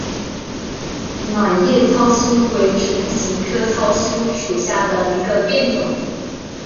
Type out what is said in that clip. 卵叶糙苏为唇形科糙苏属下的一个变种。